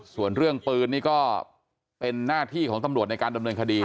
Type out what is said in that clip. ส่วนเรื่องปืนนี่ก็เป็นหน้าที่ของตำรวจในการดำเนินคดี